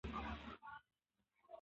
لباس او ظاهر ته ارزښت نه ورکوي